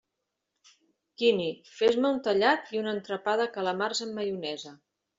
Quini, fes-me un tallat i un entrepà de calamars amb maionesa.